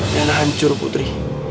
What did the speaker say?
dan hancur putri